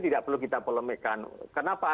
tidak perlu kita polemikkan kenapa